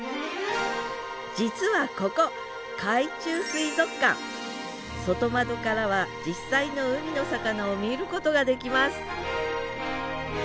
実はここ外窓からは実際の海の魚を見ることができます